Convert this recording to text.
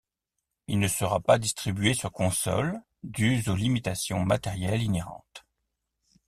Il ne sera pas distribué sur consoles dues aux limitations matérielles inhérentes.